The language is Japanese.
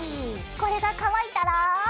これが乾いたら。